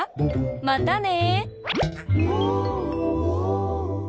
またね。